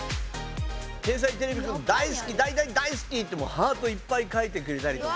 「天才てれびくん大好き大大大好き」ってハートいっぱいかいてくれたりとか。